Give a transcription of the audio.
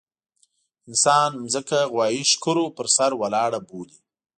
انسان ځمکه غوايي ښکرو پر سر ولاړه بولي.